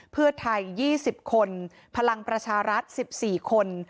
เพื่อไทย๒๐คนพลังประชารัฐ๑๔คน